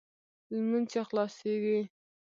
لمونځ چې خلاصېږي.